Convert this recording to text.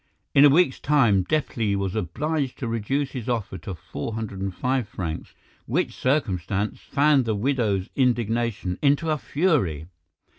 In a week's time Deplis was obliged to reduce his offer to 405 francs, which circumstance fanned the widow's indignation into a fury.